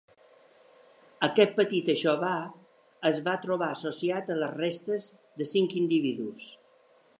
Aquest petit aixovar es va trobar associat a les restes de cinc individus.